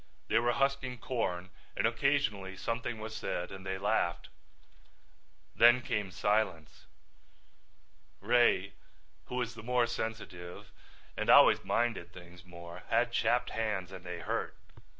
They were husking corn and occasionally something was said and they laughed. Then came silence. Ray, who was the more sensitive and always minded things more, had chapped hands and they hurt.